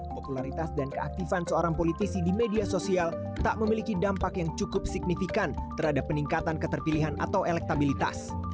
popularitas dan keaktifan seorang politisi di media sosial tak memiliki dampak yang cukup signifikan terhadap peningkatan keterpilihan atau elektabilitas